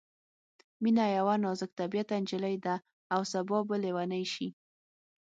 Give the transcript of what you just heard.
مينه یوه نازک طبعیته نجلۍ ده او سبا به ليونۍ شي